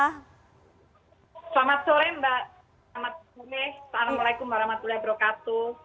selamat sore mbak amat buneh assalamualaikum warahmatullahi wabarakatuh